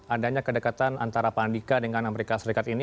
adanya kedekatan antara pak andika dengan amerika serikat ini